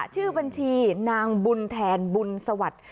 ชื่อบัญชีนางบุญแทนบุญสวัสดิ์